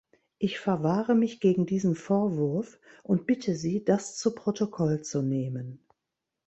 Ich verwahre mich gegen diesen Vorwurf und bitte Sie, das zu Protokoll zu nehmen.